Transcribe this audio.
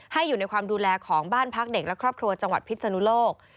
อยู่ในความดูแลของบ้านพักเด็กและครอบครัวจังหวัดพิศนุโลก